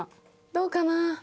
どうかな？